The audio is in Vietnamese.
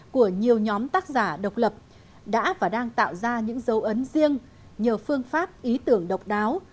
của nhiều nhóm tác giả độc lập đã và đang tạo ra những dấu ấn riêng nhờ phương pháp ý tưởng độc đáo